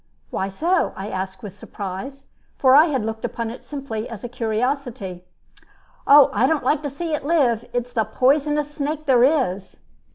"Why so?" I asked, with surprise, for I had looked upon it simply as a curiosity. "Oh, I don't like to see it live. It's the poisonousest snake there is."